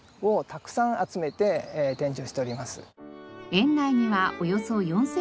園内にはおよそ４８００種類